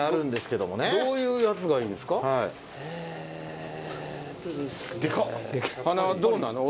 塙どうなの？